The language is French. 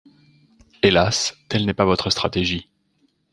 Hélas, telle n’est pas votre stratégie.